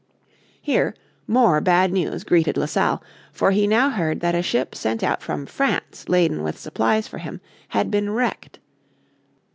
Here more bad news greeted La Salle, for he now heard that a ship sent out from France laden with supplies for him had been wrecked.